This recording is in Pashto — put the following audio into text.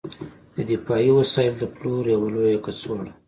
د دفاعي وسایلو د پلور یوه لویه کڅوړه